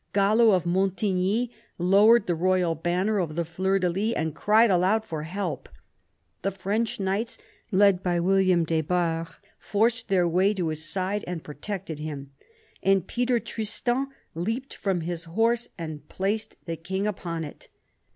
Galo of Montigny lowered the royal banner of the fleurs de lys and cried aloud for help. The French knights, led by William des Barres, forced their way to his side and protected him, and Peter Tristan leapt from his horse and placed the king upon it.